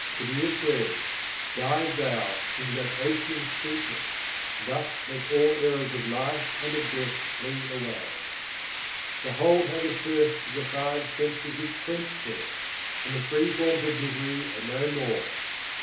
Kabîr says: "Dive thou into that Ocean of sweetness: thus let all errors of life and of death flee away." Behold how the thirst of the five senses is quenched there! and the three forms of misery are no more!